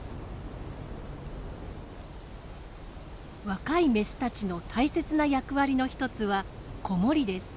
若いメスたちの大切な役割の一つは子守です。